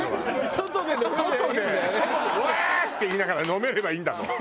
外で「うわー！」って言いながら飲めればいいんだもん。